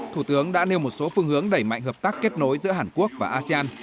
thủ tướng đã nêu một số phương hướng đẩy mạnh hợp tác kết nối giữa hàn quốc và asean